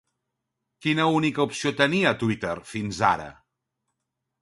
Quina única opció tenia, Twitter, fins ara?